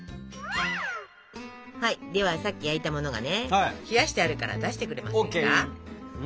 はいではさっき焼いたものがね冷やしてあるから出してくれませんか？